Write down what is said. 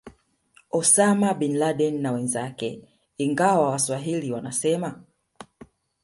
Osama Bin Laden na wenzake ingawa waswahili wanasema